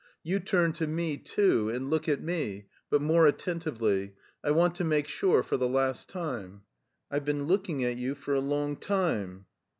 "You turn to me, too, and look at me, but more attentively. I want to make sure for the last time." "I've been looking at you for a long time."